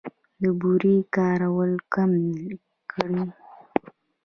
د بورې کارول کم کړئ.